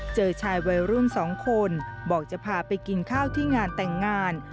เจอชายวัยรุ่น๒คนบอกจะพาไปกินข้าวที่งานแต่งงาน